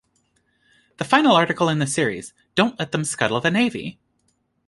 The final article in the series, Don't Let Them Scuttle the Navy!